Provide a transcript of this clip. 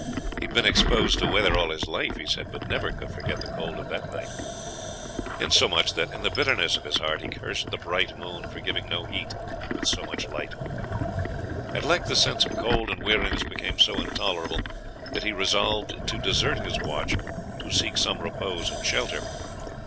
He had been exposed to weather all his life, he said, but never could forget the cold of that night; insomuch that, in the bitterness of his heart, he cursed the bright moon for giving no heat with so much light. At length the sense of cold and weariness became so intolerable that he resolved to desert his watch to seek some repose and shelter.